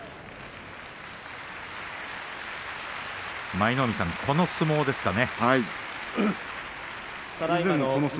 舞の海さん、この相撲ですかね。